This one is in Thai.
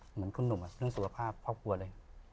เหมือนคุณหนุ่มเรื่องสุขภาพครอบครัวเลย